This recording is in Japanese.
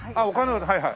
はいはい。